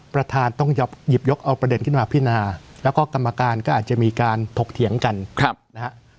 ประธานต้องหยิบยกเอาประเด็นขึ้นมาพินาแล้วก็กรรมการก็อาจจะมีการถกเถียงกันนะฮะ